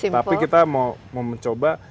tapi kita mau mencoba